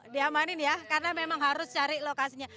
diamanin ya karena memang harus cari lokasinya